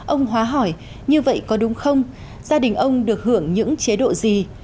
ông hóa hỏi như vậy có đúng không gia đình ông được hưởng những chế độ gì